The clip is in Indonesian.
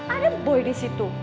ada boy di situ